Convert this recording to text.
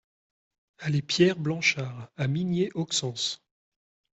Allée Pierre Blanchard à Migné-Auxances